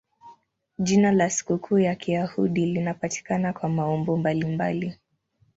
Jina la sikukuu ya Kiyahudi linapatikana kwa maumbo mbalimbali.